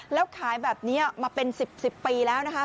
แล้วขายแบบนี้มาเป็น๑๐ปีแล้วนะคะ